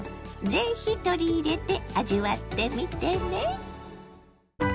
是非取り入れて味わってみてね。